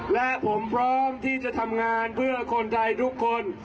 และผมพร้อมที่จะทำงานเพื่อคนไทยทุกคน